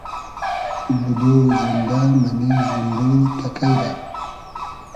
بودۉ زیندۂ مئنې زیندۉ تئکݷ رۂ